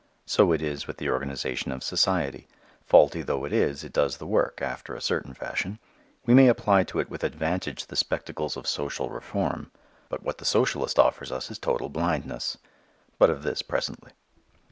So it is with the organization of society. Faulty though it is, it does the work after a certain fashion. We may apply to it with advantage the spectacles of social reform, but what the socialist offers us is total blindness. But of this presently.